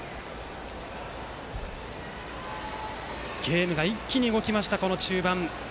ゲームが一気に動きました、中盤。